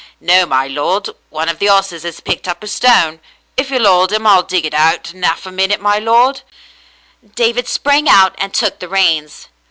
"No, my lord. One of the 'orses has picked up a stone. If you'll 'old 'em I'll dig it out in 'alf a minute, my lord." David sprang out and took the reins.